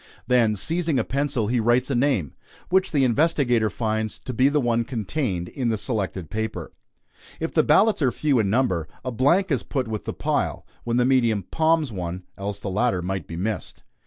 Then seizing a pencil, he writes a name, which the investigator finds to be the one contained in the selected paper. If the ballots are few in number, a blank is put with the pile, when the medium "palms" one, else the latter might be missed.